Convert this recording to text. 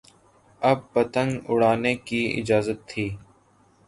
اب پتنگ اڑانے کی اجازت تھی۔